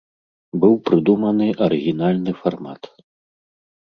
Быў прыдуманы арыгінальны фармат.